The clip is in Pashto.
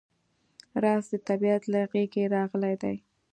رس د طبیعت له غېږې راغلی دی